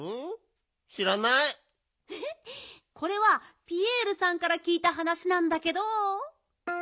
これはピエールさんからきいたはなしなんだけど。